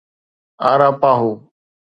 اَراپاهو